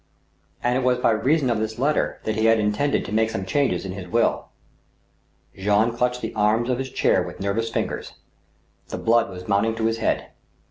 " And it was by reason of this letter that he had intended to make some changes in his will." Jean clutched the arms of his chair with nervous fingers. The blood was mounting to his head.